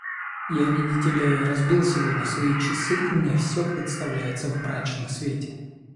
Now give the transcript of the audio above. Я, видите ли, разбил сегодня свои часы и мне всё представляется в мрачном свете.